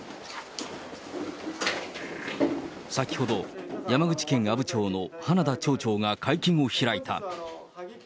先ほど、山口県阿武町の花田町長が会見を開いた。